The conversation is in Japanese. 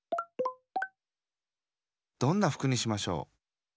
どんなふくにしましょう？